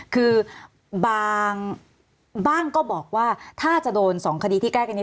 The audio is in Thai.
คือบ้างก็บอกว่าถ้าจะโดน๒คดีที่ใกล้กันนี้